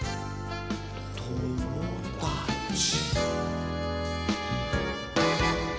ともだち。